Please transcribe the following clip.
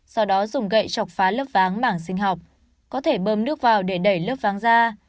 sau đó dùng gậy chọc phá lớp váng mảng sinh học có thể bơm nước vào để đẩy lớp váng ra